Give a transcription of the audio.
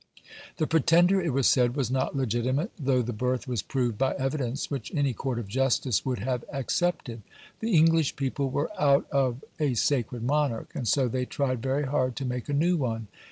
The Pretender, it was said, was not legitimate, though the birth was proved by evidence which any Court of Justice would have accepted. The English people were "out of" a sacred monarch, and so they tried very hard to make a new one.